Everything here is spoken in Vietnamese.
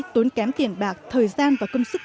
tốn kém tiền bạc thời gian và công sức